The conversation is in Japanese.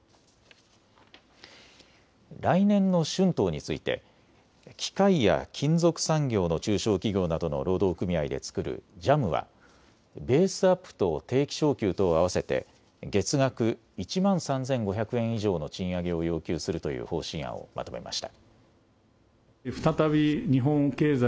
来年の春闘について機械や金属産業の中小企業などの労働組合で作るＪＡＭはベースアップと定期昇給とを合わせて月額１万３５００円以上の賃上げを要求するという方針案をまとめました。